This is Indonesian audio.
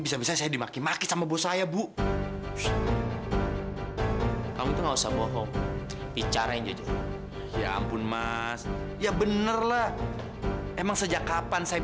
sampai jumpa di video selanjutnya